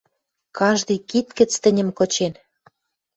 Каждый кид гӹц тӹньӹм кычен